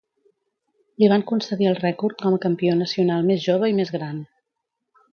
Li van concedir el rècord com a campió nacional més jove i més gran.